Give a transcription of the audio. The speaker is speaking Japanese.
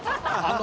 あ！